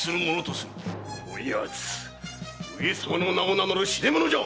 こやつ上様の名を名乗る痴れ者じゃ！